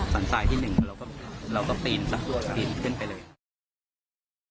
สันทรายที่หนึ่งเราก็ปีนซะปีนขึ้นไปเลย